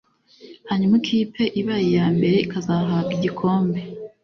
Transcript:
hanyuma ikipe ibaye iya mbere ikazahabwa igikombe